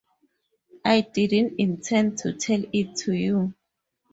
I didn't intend to tell it to you.